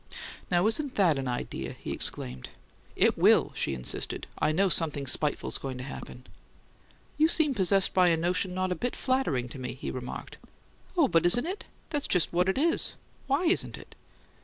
"Now, isn't that an idea!" he exclaimed. "It will," she insisted. "I know something spiteful's going to happen!" "You seem possessed by a notion not a bit flattering to me," he remarked. "Oh, but isn't it? That's just what it is! Why isn't it?"